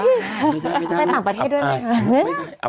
ไปต่างประเทศด้วยไหมคะ